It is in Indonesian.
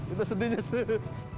itu sedihnya sih